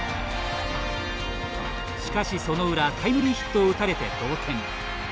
しかし、その裏タイムリーヒットを打たれて同点。